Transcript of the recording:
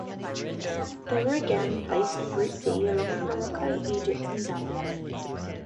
They were again placed in group D along with Morocco, Egypt and Zambia.